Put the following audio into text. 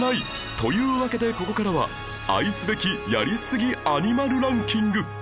というわけでここからは愛すべきやりすぎアニマルランキング